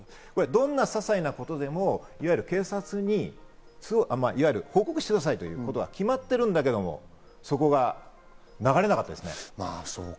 どんなささいなことでも警察に報告してくださいということは決まってるんだけど、そこが流れなかったんですね。